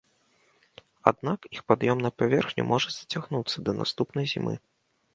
Аднак іх пад'ём на паверхню можа зацягнуцца да наступнай зімы.